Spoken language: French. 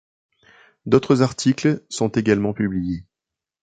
D'autres articles sont également publiés.